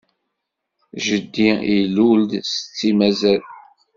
Jeddi ilul-d, setti mazal.